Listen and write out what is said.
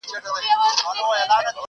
• ته یې ګاږه زموږ لپاره خدای عادل دی,